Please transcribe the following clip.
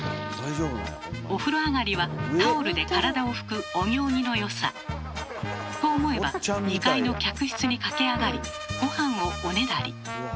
お風呂上がりはタオルで体を拭くお行儀の良さ。と思えば２階の客室に駆け上がりごはんをおねだり。